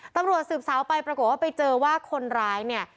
ตำรวจสืบสาวไปปรากฏว่าไปเจอว่าคนร้ายเนี่ย